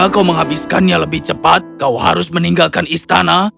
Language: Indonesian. jika kau menghabiskannya lebih cepat kau harus meninggalkan istana